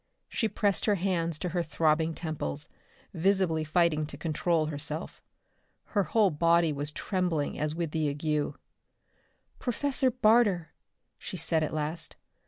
She pressed her hands to her throbbing temples, visibly fighting to control herself. Her whole body was trembling as with the ague. "Professor Barter," she said at last.